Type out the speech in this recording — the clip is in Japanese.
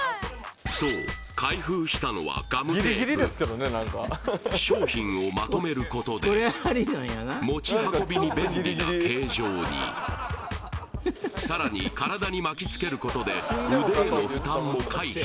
そう開封したのはガムテープ商品をまとめることで持ち運びに便利な形状にさらに体に巻きつけることで腕への負担も回避